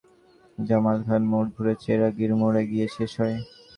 পরে শিক্ষার্থীদের একটি মিছিল জামালখান মোড় ঘুরে চেরাগীর মোড়ে গিয়ে শেষ হয়।